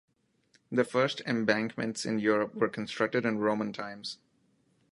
The first embankments in Europe were constructed in Roman times.